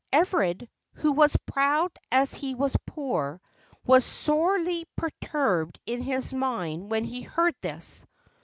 Everard, who was as proud as he was poor, was sorely perturbed in his mind when he heard this.